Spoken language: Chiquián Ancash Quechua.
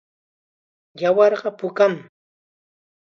Yawarqa pukam.